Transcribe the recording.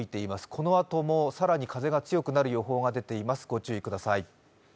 このあとも更に風が強くなる予報も出ています、ご注意ください。